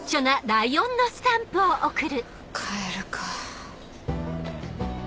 帰るか。